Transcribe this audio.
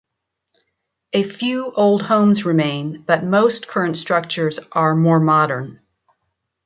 A few old homes remain, but most current structures are more modern.